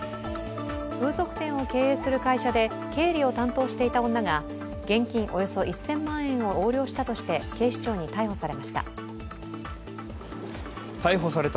風俗店を経営する会社で経理を担当していた女が、現金およそ１０００万円を横領したとして警視庁に逮捕されました。